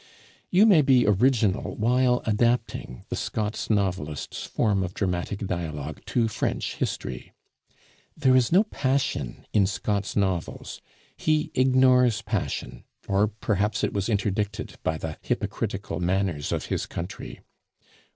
You may be original while adapting the Scots novelist's form of dramatic dialogue to French history. There is no passion in Scott's novels; he ignores passion, or perhaps it was interdicted by the hypocritical manners of his country.